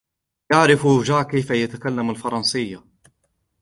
يعرف جاك كيف يتكلم الفرنسية.